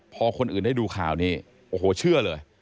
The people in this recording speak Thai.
พอคนอื่นได้ดูข่าวนี้โอ้โหเชื่อเลย